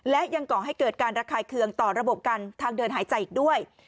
และยังก่อให้เกิดการระคายเคืองต่อระบบกันทางเดินหายใจอีกด้วย